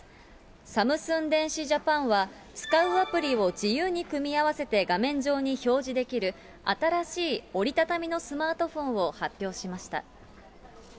サムスン電子ジャパンは、使うアプリを自由に組み合わせて画面上に表示できる新しい折り畳みのスマートフォンを発表しました。